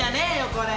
これ。